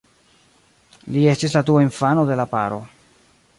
Li estis la dua infano de la paro.